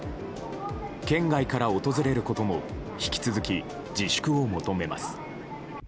県外から訪れることも引き続き、自粛を求めます。